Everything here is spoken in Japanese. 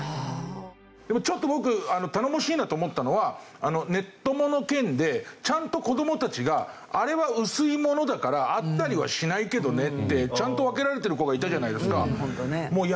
でもちょっと僕頼もしいなと思ったのはネッ友の件でちゃんと子どもたちがあれは薄いものだから会ったりはしないけどねってちゃんと分けられてる子がいたじゃないですか。